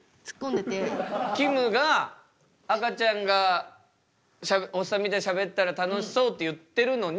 きむが赤ちゃんがおっさんみたいにしゃべったら楽しそうって言ってるのに。